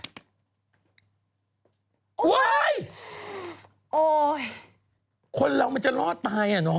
โอ้ยคนลองมาจนรอดตายอ่าหน้าอ่ะ